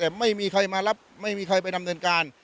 แต่ไม่มีใครมารับไม่มีใครไปดำเนินการ